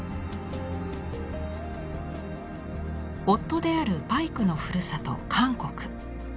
夫であるパイクのふるさと韓国。